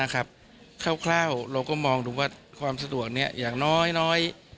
ครับคร่าวเราก็มองถึงว่าความสะดวกนี้อย่างน้อย